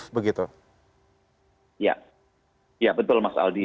ya betul mas aldi